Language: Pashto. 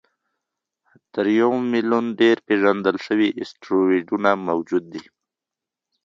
تر یو میلیون ډېر پېژندل شوي اسټروېډونه موجود دي.